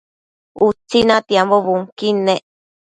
Utsi natiambo bunquid